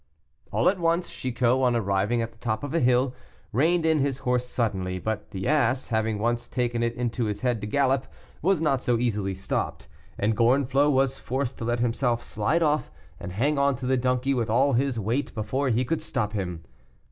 All at once Chicot, on arriving at the top of a hill, reined in his horse suddenly. But the ass, having once taken it into his head to gallop, was not so easily stopped, and Gorenflot was forced to let himself slide off and hang on to the donkey with all his weight before he could stop him.